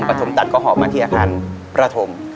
ปฐมตัดก็หอบมาที่อาคารประถม